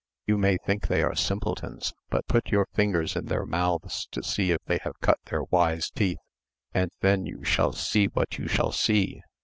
You may think they are simpletons, but put your fingers in their mouths to see if they have cut their wise teeth; and then you shall see what you shall see.